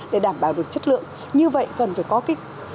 để đảm bảo được chất lượng như vậy cần phải có cái